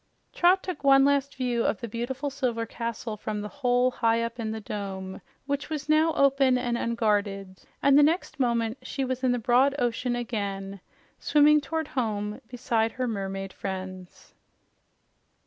Trot took one last view of the beautiful silver castle from the hole high up in the dome, which was now open and unguarded, and the next moment she was in the broad ocean again, swimming toward home beside her mermaid friends.